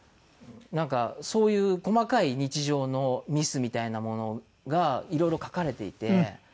なんかそういう細かい日常のミスみたいなものがいろいろ書かれていて。